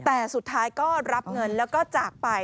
แต่สุดท้ายก็รับเงินแล้วก็จากไป